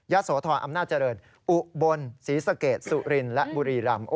โสธรอำนาจเจริญอุบลศรีสะเกดสุรินและบุรีรำ